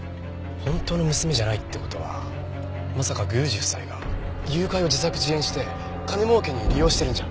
本当の娘じゃないって事はまさか宮司夫妻が誘拐を自作自演して金儲けに利用してるんじゃ。